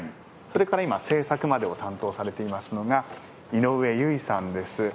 それから制作までを担当されていますのが井上由衣さんです。